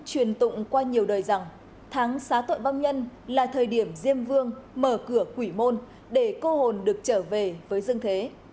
truyền tụng qua nhiều đời rằng tháng xá tội vong nhân là thời điểm diêm vương mở cửa quỷ môn để cô hồn được trở về với dương thế